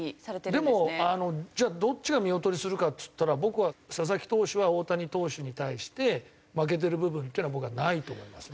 でもあのじゃあどっちが見劣りするかっつったら僕は佐々木投手は大谷投手に対して負けてる部分っていうのは僕はないと思います。